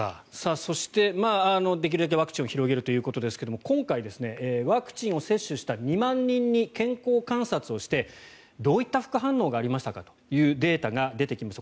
そして、できるだけワクチンを広げるということですが今回、ワクチンを接種した２万人に健康観察をしてどういった副反応がありましたかというデータが出てきました。